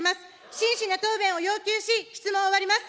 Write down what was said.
真摯な答弁を要求し、質問を終わります。